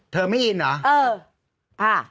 เธอไม่อินเหรอ